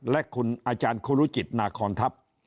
และอาจารย์ครูรุชิตนาครทัพ